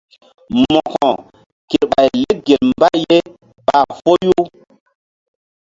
Mo̧ko kerɓay lek gel mbay ɓa foyu.